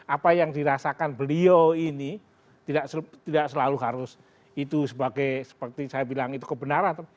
apa yang dirasakan beliau ini tidak selalu harus itu sebagai seperti saya bilang itu kebenaran